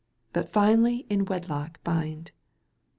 But finaUy in wedlock bind.